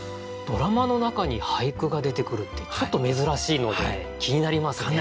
ドラマの中に俳句が出てくるってちょっと珍しいので気になりますね。